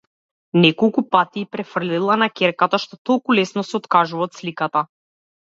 Неколупати ѝ префрлила на ќерката што толку лесно се откажува од сликата.